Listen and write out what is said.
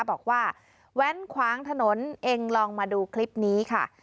บอกว่าแว้นขวางถนนเองลองมาดูคลิปนี้ค่ะ